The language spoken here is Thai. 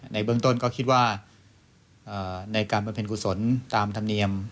ในเบื้องต้นก็คิดว่าในการบำเพ็ญกุศลตามธรรมเนียม